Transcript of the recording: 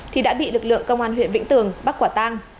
thì đã bị lực lượng công an huyện vĩnh tường bắt quả tang